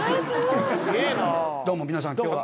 どうも皆さん今日は。